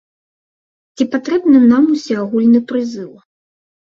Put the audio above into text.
Ці патрэбны нам усеагульны прызыў?